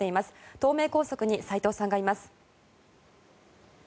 東名高速に齋藤さんがいます。